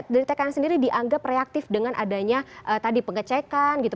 dari tkn sendiri dianggap reaktif dengan adanya tadi pengecekan gitu